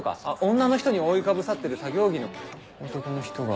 女の人に覆いかぶさってる作業着の男の人が。